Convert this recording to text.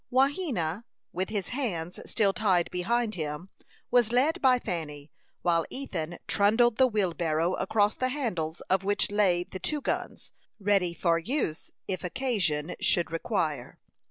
Wahena, with his hands still tied behind him, was led by Fanny, while Ethan trundled the wheelbarrow, across the handles of which lay the two guns, ready for use if occasion should require.